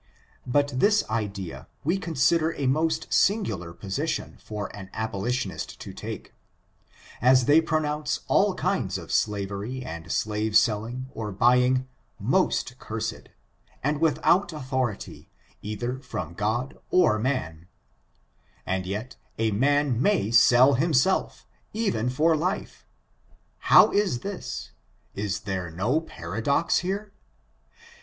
But this idea, we consider a most singular position for an abolitionist to take, as they pronounce all kinds of slavery and slave selling or buying most cursed, and without authority, either from God or man ; and yet a man may sell hifnself, even for life. How is this ? Is there no paradox here